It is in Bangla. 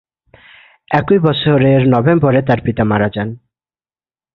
একই বছরের নভেম্বরে তাঁর পিতা মারা যান।